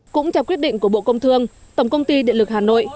cũng theo quyết định của bộ công thương tổng công ty điện lực hà nội